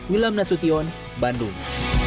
wilam nasution bandung